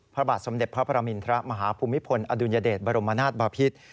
พระบาทสมเด็จพระประมินทรมาฮภูมิพลอดุลยเดชบรมนาศบอพิษ